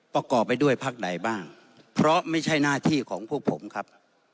ประกอบไปด้วยพักไหนบ้างเพราะไม่ใช่หน้าที่ของพวกผมครับ